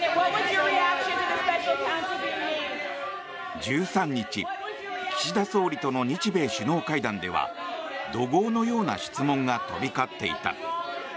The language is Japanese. １３日岸田総理との日米首脳会談では怒号のような質問が飛び交っていた。